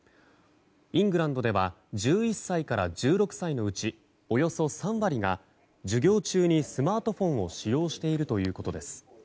イングランドでは１１歳から１６歳のうちおよそ３割が授業中にスマートフォンを使用しているということです。